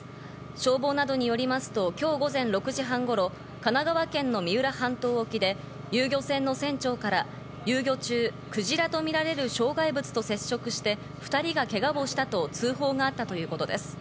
消防などによりますと、今日午前６時半頃、神奈川県の三浦半島沖で遊漁船の船長から遊漁中、クジラとみられる障害物と接触して２人がけがをしたと通報があったということです。